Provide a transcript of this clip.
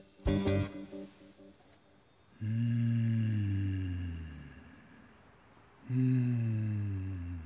うんうん。